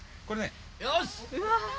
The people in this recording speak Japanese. よし！